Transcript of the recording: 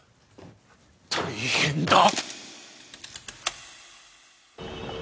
大変だ！